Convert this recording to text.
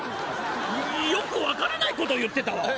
よくわからないことを言ってた？